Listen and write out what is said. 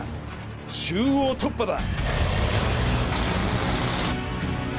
中央突破だ！